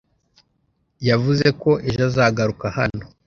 Yavuze ko ejo azagaruka hano